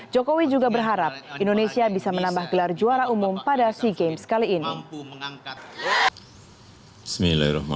jokowi juga berharap indonesia bisa menambah gelar juara umum pada sea games kali ini